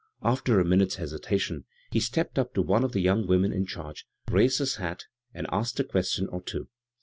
After a minute's hesitation he stepped up to one of the young women in charge, raised his hat, and asked a question or two.